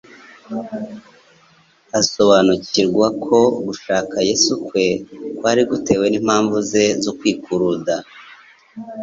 Asobanukirwa ko gushaka Yesu kwe kwari gutewe n'impamvu ze zo kwikuruda,